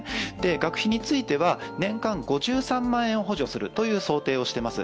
学費については年間５３万円を補助するという想定をしています。